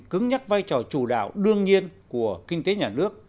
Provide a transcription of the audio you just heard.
cứng nhắc vai trò chủ đạo đương nhiên của kinh tế nhà nước